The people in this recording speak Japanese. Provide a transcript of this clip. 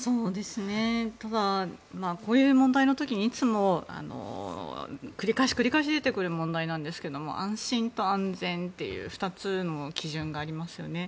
ただ、こういう問題の時にいつも繰り返し繰り返し出てくる問題なんですけど安心と安全という２つの基準がありますよね。